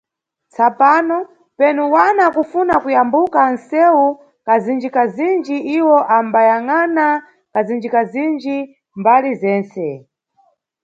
Tsapano, penu wana akufuna kuyambuka nʼsewu kazinjikazinji, iwo ambanyangʼana kazinjikazinji mʼmbali zentse.